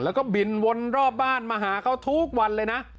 แล้วก็บินวนรอบบ้านมาหาเขาทุกวันเลยนะ